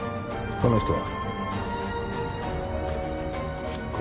この人は？